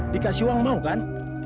dikasih uang mau kan